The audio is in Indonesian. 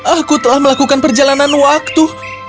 aku telah melakukan perjalanan waktu